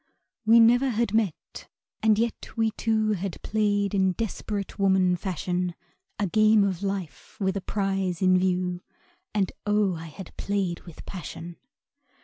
We never had met, and yet we two Had played in desperate woman fashion, A game of life, with a prize in view, And oh! I played with passion.